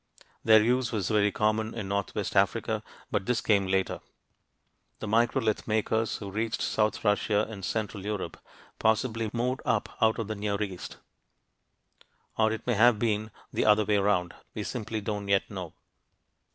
Their use was very common in northwest Africa but this came later. The microlith makers who reached south Russia and central Europe possibly moved up out of the Near East. Or it may have been the other way around; we simply don't yet know.